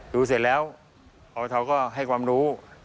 เสร็จแล้วอทก็ให้ความรู้